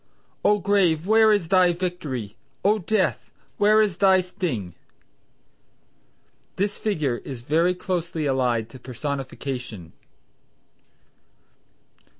"O! Grave, where is thy Victory, O! Death where is thy sting!" This figure is very closely allied to Personification.